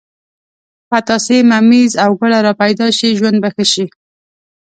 پتاسې، ممیز او ګوړه را پیدا شي ژوند به ښه شي.